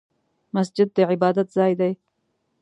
مسجد د عبادت ځای دی